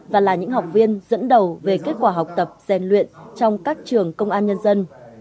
và là những học viên dẫn đầu về kết quả học tập rèn luyện trong các trường công an nhân dân